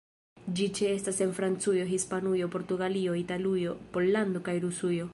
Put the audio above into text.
Ĝi ĉeestas en Francujo, Hispanujo, Portugalio, Italujo, Pollando kaj Rusujo.